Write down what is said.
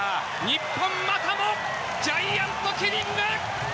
日本、またもジャイアントキリング！